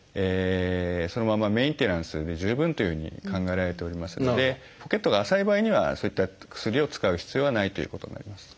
そのままメンテナンスで十分というふうに考えられておりますのでポケットが浅い場合にはそういった薬を使う必要はないということになります。